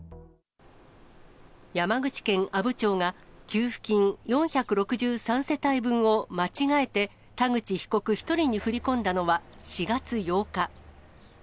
山口県阿武町が給付金４６３世帯分を間違えて、田口被告１人に振り込んだのは４月８日。